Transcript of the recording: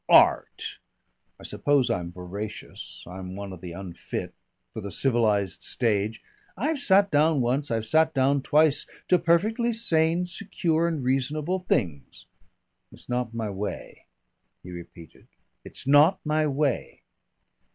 Art!... I suppose I'm voracious, I'm one of the unfit for the civilised stage. I've sat down once, I've sat down twice, to perfectly sane, secure, and reasonable things.... It's not my way." He repeated, "It's not my way."